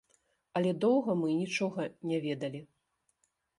Але доўга мы нічога не ведалі.